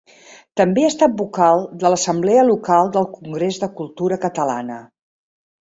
També ha estat vocal de l'assemblea local del Congrés de Cultura Catalana.